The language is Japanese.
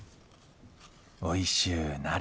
おいしゅうなれ。